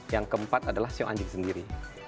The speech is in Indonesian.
yang keempat adalah sio anjing sendiri